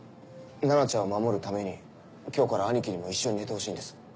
菜奈ちゃんを守るために今日からアニキにも一緒に寝てほしいんです。